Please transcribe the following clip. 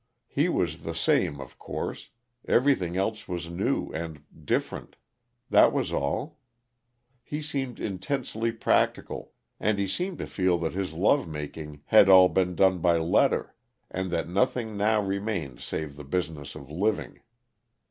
He was the same, of course; everything else was new and different. That was all. He seemed intensely practical, and he seemed to feel that his love making had all been done by letter, and that nothing now remained save the business of living.